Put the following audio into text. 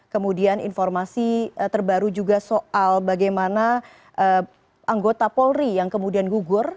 kemudian informasi terbaru juga soal bagaimana anggota polri yang kemudian gugur